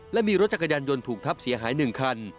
และมีรถจักรยานยนต์ถูกทับเสียหาย๑คัน